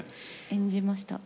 演じました。